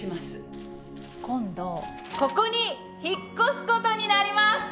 今度ここに引っ越す事になります！